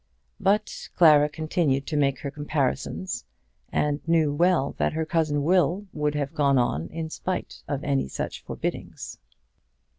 But Clara continued to make her comparisons, and knew well that her cousin Will would have gone on in spite of any such forbiddings.